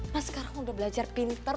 mas sekarang udah belajar pintar